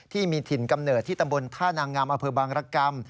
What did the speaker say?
ที่มีถิ่นกำเนิดที่ตำบลท่านางามอำเภอบางรกรรม